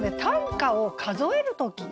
短歌を数える時。